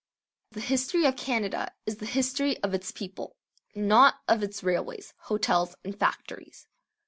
The history of Canada is the history of its people, not of its railways, hotels, and factories.